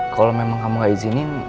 kalau memang kamu gak izinin